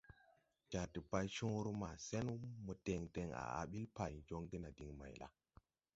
Jar debaywoore ma sen mo deŋ deŋ à á ɓil pay joŋge na diŋ may la? ».